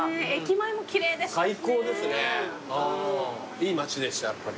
いい街でしたやっぱり。